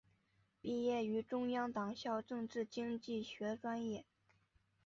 毕业于中央党校政治经济学专业。